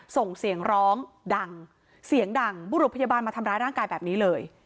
ส่งเสียงร้องดังเสียงดังบุรุษพยาบาลมาทำร้ายร่างกายแบบนี้เลย